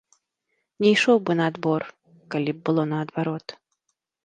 Не ішоў бы на адбор, калі б было наадварот.